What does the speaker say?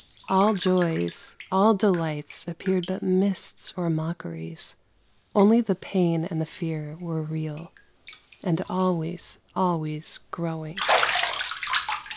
All joys, all delights ap peared but mists or mockeries : only the pain and the fear were real, — and always, always growing.